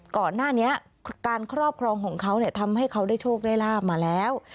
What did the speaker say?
ก่อนหน้านี้การครอบครองของเขาทำให้เขาได้โชคได้ลาบมาแล้ว